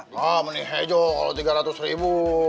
nah menih aja kalau rp tiga ratus